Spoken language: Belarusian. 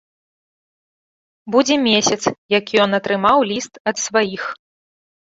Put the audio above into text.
Будзе месяц, як ён атрымаў ліст ад сваіх.